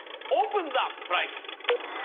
オープンザプライス。